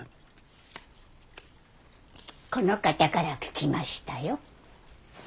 この方から聞きましたよ。